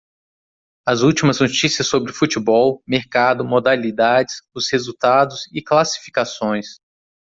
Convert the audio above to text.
As últimas notícias sobre Futebol, mercado, modalidades, os resultados e classificações.